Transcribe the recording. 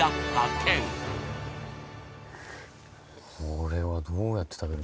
これはどうやって食べるんだろう。